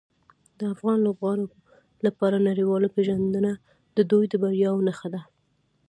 د افغان لوبغاړو لپاره نړیواله پیژندنه د دوی د بریاوو نښه ده.